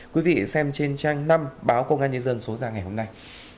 quý vị xem trên trang năm báo công an nhân dân số ra ngày hôm nay